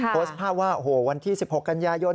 โพสต์ภาพว่าโอ้โหวันที่๑๖กันยายน